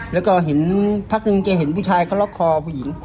แล้วก็เห็นพักหนึ่งแกเห็นผู้ชายเขาล็อกคอผู้หญิง